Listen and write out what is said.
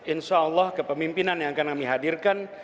insya allah kepemimpinan yang akan kami hadirkan